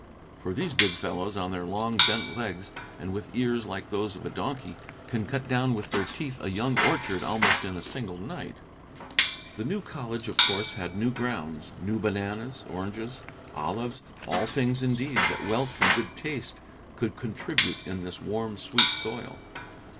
For these big fellows, on their long, bent legs, and with ears like those of a donkey, can cut down with their teeth a young orchard almost in a single night. The new college, of course, had new grounds, new bananas, oranges, olives, all things, indeed, that wealth and good taste could contribute in this warm, sweet soil.